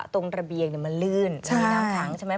ตรงระเบียงมันลื่นปล่อน้ำขังใช่ไหม